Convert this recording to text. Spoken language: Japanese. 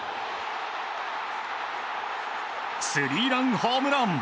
スリーランホームラン！